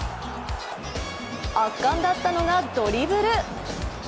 圧巻だったのがドリブル。